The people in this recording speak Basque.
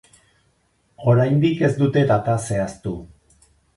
Oraindik ez dute data zehaztu.